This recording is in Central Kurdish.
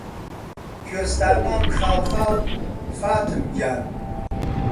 کوێستانان خاڵ خاڵ فاتم گیان